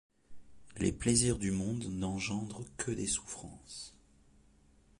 Les plaisirs du monde n’engendrent que des souffrances.